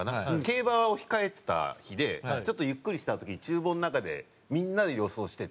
競馬を控えてた日でちょっとゆっくりした時に厨房の中でみんなで予想してて。